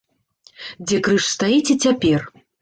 Дзе крыж стаіць і цяпер.